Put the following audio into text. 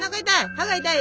歯が痛い？